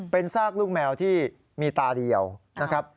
เป็นซากลูกแมวที่มีตาเดียวนะครับ